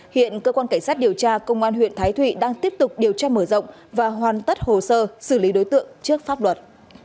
hiện cơ quan cảnh sát điều tra công an huyện thái thụy đang tiếp tục điều tra mở rộng và hoàn tất hồ sơ xử lý đối tượng trước pháp luật